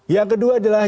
yang kedua adalah